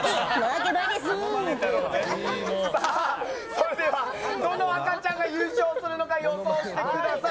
それでは、どの赤ちゃんが優勝するのか予想してください。